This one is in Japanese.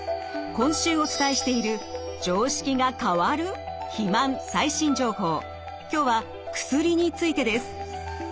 今週お伝えしている今日は薬についてです。